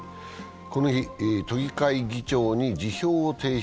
この日、都議会議長に辞表を提出。